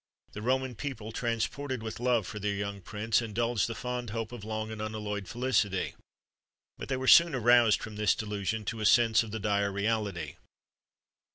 The Roman people, transported with love for their young prince, indulged the fond hope of long and unalloyed felicity; but they were soon aroused from this delusion to a sense of the dire reality.